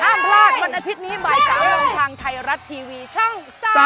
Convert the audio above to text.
ห้ามพลาดวันอาทิตย์นี้บ่าย๓โมงทางไทยรัฐทีวีช่อง๓๒